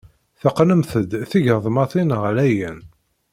Teqqnemt-d tigeḍmatin ɣlayen.